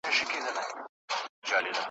د روښان له خلوتونو د ایپي له مورچلونو ,